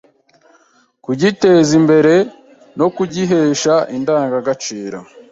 kugiteza imbere nokugihesha indangagaciro